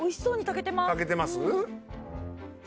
炊けてます？